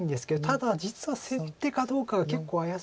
ただ実は先手かどうかが結構怪しいんですよね。